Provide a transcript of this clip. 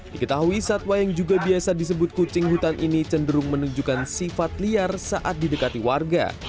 diketahui satwa yang juga biasa disebut kucing hutan ini cenderung menunjukkan sifat liar saat didekati warga